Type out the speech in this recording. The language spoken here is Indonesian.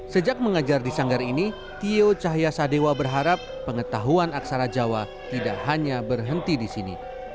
sejak mengajar di sanggar ini tio cahya sadewa berharap pengetahuan aksara jawa tidak hanya berhenti di sini